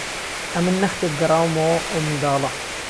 ئهمن نهختێک گەڕاومهوه ئهو منداڵه